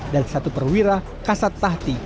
dan satu perwira kasat tahti